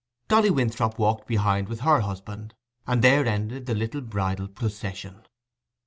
Dolly Winthrop walked behind with her husband; and there ended the little bridal procession.